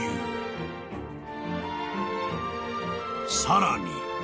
［さらに］